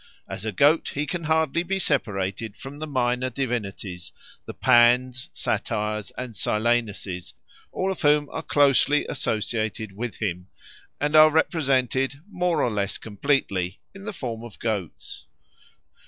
As a goat he can hardly be separated from the minor divinities, the Pans, Satyrs, and Silenuses, all of whom are closely associated with him and are represented more or less completely in the form of goats.